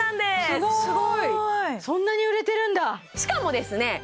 すごいすごいそんなに売れてるんだしかもですね